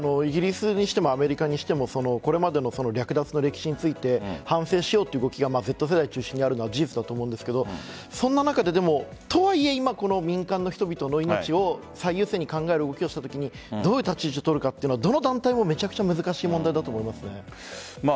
イギリスにしてもアメリカにしてもこれまでの略奪の歴史について反省しようという動きがＺ世代を中心にあるのは事実ですがそんな中でとはいえ今、民間の人々の命を最優先に考えるときにどういう立ち位置を取るかどの団体も、めちゃくちゃ難しい問題だと思います。